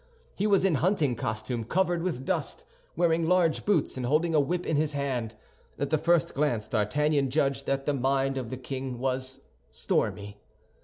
He was in hunting costume covered with dust, wearing large boots, and holding a whip in his hand. At the first glance, D'Artagnan judged that the mind of the king was stormy.